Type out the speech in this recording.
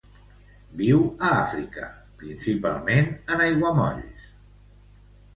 Viu a Àfrica, principalment en aiguamolls.